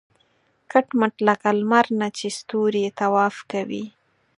کټ مټ لکه لمر نه چې ستوري طواف کوي.